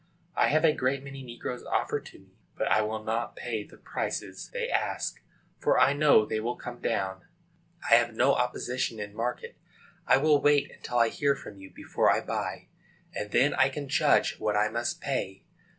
I have a great many negroes offered to me, but I will not pay the prices they ask, for I know they will come down. I have no opposition in market. I will wait until I hear from you before I buy, and then I can judge what I must pay.